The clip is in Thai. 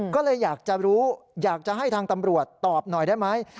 ก็เลยอยากจะรู้อยากจะให้ทางตำรวจตอบหน่อยได้ไหม